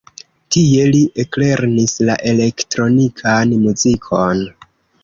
Tie li eklernis la elektronikan muzikon.